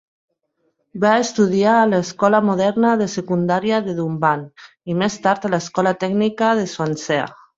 Va estudiar a l'Escola Moderna de Secundària de Dunvant i, més tard, a l'Escola Tècnica de Swansea.